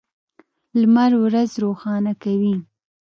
لمر ورځ روښانه کوي.